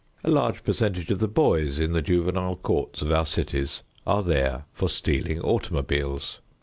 A large percentage of the boys in the juvenile courts of our cities are there for stealing automobiles.